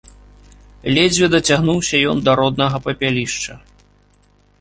Ледзьве дацягнуўся ён да роднага папялішча.